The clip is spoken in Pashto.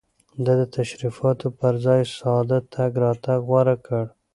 ده د تشريفاتو پر ځای ساده تګ راتګ غوره کړ.